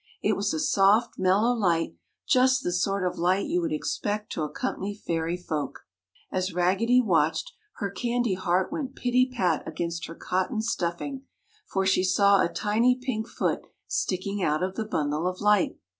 It was a soft mellow light, just the sort of light you would expect to accompany Fairy Folk. As Raggedy watched, her candy heart went pitty pat against her cotton stuffing, for she saw a tiny pink foot sticking out of the bundle of light.